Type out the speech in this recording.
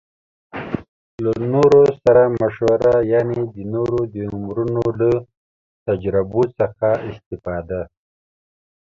له نورو سره مشوره يعنې د نورو د عمرونو له تجربو څخه استفاده